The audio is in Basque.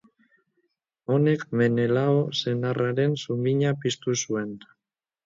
Honek Menelao senarraren sumina piztu zuen.